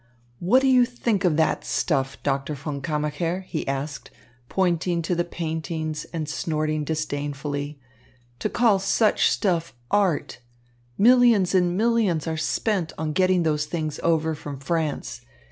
"What do you think of that stuff, Doctor von Kammacher?" he asked, pointing to the paintings and snorting disdainfully. "To call such stuff art! Millions and millions are spent on getting those things over from France.